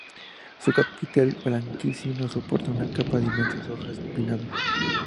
Su capitel blanquecino soporta una copa de inmensas hojas pinnadas.